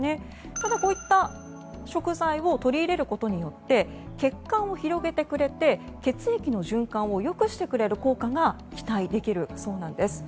ただ、こういった食材を取り入れることによって血管を広げてくれて血液の循環を良くしてくれる効果が期待できるそうなんです。